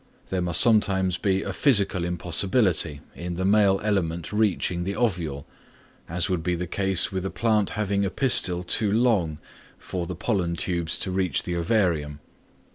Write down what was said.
There must sometimes be a physical impossibility in the male element reaching the ovule, as would be the case with a plant having a pistil too long for the pollen tubes to reach the ovarium.